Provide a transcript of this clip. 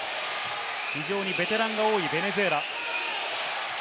非常にベテランが多いベネズエラ。